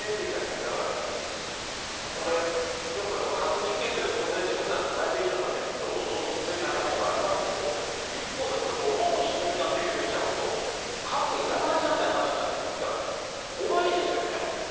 だからこれ、ピョンさん、核実験って、当然、自分たちの体制維持のためにどんどんどんどん進めていく可能性ありますけど、一方で、これ、ドローンの侵入なんて許しちゃうと、核、いらないじゃんって話になってきますから、怖いですよね。